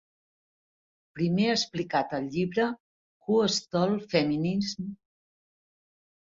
Primer explicat al llibre "Who Stole Feminism?".